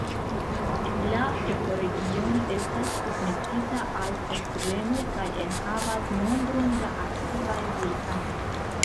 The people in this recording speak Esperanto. La ekoregiono estas submetita al tertremoj kaj enhavas nombron da aktivaj vulkanoj.